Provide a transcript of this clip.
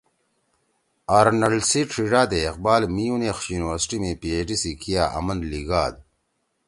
آرنلڈ سی ڇھیِڙا دے اقبال میونیخ یونیورسٹی می پی ایچ ڈی سی کیا آمن لیِگاد